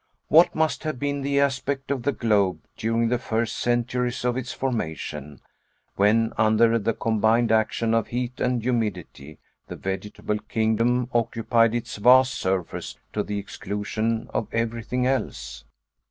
What must have been the aspect of the globe, during the first centuries of its formation, when under the combined action of heat and humidity, the vegetable kingdom occupied its vast surface to the exclusion of everything else?